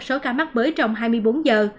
số ca mắc mới trong hai mươi bốn giờ